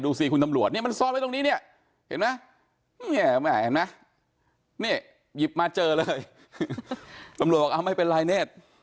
ดูสิคุณตำรวจเนี่ยมันซ่อนไว้ตรงนี้เนี่ยเห็นไหมนี่หยิบมาเจอเลยตำรวจบอกไม่เป็นไรเนธ